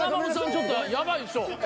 ちょっとやばいでしょ。